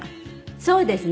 そうですね。